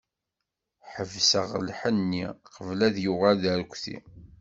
Ḥebseɣ lḥenni, qbel ad yuɣal d arekti.